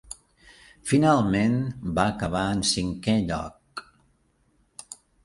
Finalment, va acabar en cinquè lloc.